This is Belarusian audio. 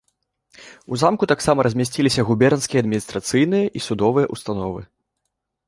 У замку таксама размясціліся губернскія адміністрацыйныя і судовыя ўстановы.